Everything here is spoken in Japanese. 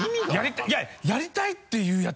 いややりたいって言うやつ